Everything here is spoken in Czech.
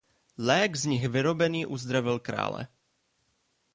Lék z nich vyrobený uzdravil krále.